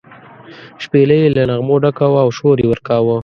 شپېلۍ یې له نغمو ډکه وه او شور یې ورکاوه.